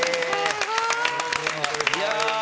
すごいな。